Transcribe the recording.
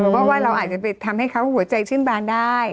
เพราะว่าเราอาจจะไปทำให้เขาหัวใจชื่นบานได้